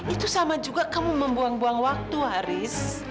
itu sama juga kamu membuang buang waktu haris